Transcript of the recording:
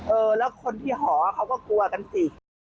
เออแล้วคนที่หอเขาก็กลัวกันสิ